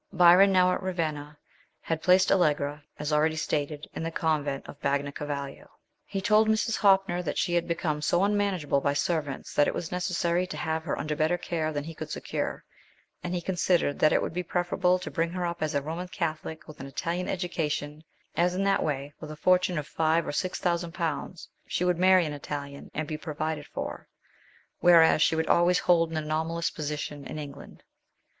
Byron, now at Ravenna, had placed Allegra, as already stated, in the convent of Bagnacavallo. He told Mrs. Hoppner that she had become so un manageable by servants that it was necessary to have her under better care than he could secure, and he considered that it would be preferable to bring her up as a Roman Catholic with an Italian education, as in that way, with a fortune of five or six thousand pounds, she would marry an Italian and be provided for, whereas she would always hold an anomalous position in England.